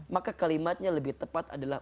maka kalimatnya lebih tepat adalah